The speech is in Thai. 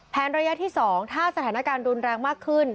ระยะที่๒ถ้าสถานการณ์รุนแรงมากขึ้น